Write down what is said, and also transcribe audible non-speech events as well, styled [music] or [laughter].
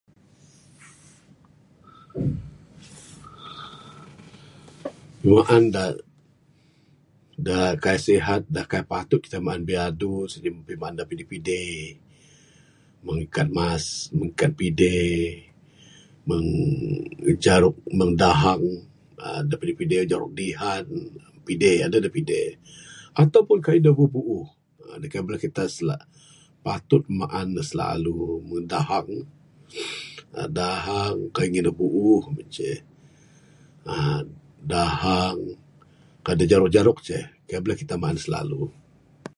[noise] Pimaan da...da kaii sehat da kaii patut kita maan biadu, sien pimaan da pide-pide meng ikan mas...meng ikan pide, meng jaruk, meng dahang, aaa da pide-pide, jaruk dihan, pide...adeh da pide. Ataupun kayuh da buuh-buuh aaa da kaii buleh kita sila...patut maan ne silalu meng dahang. aaa Dahang kayuh ngin ne buuh mah ceh. aaa Dahang, kayuh da jaruk-jaruk ceh kaii buleh kita maan ne silalu.